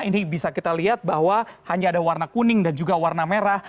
ini bisa kita lihat bahwa hanya ada warna kuning dan juga warna merah